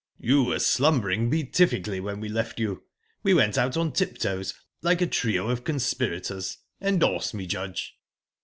"You were slumbering beatifically when we left you. We went out on tiptoes, like a trio of conspirators. Endorse me, Judge."